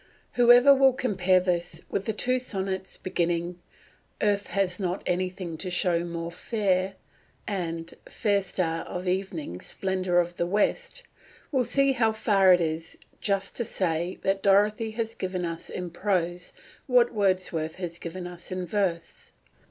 Whoever will compare this with the two sonnets beginning "Earth has not anything to show more fair," and "Fair star of evening, splendour of the West," will see how far it is just to say that Dorothy has given us in prose what Wordsworth has given us in verse.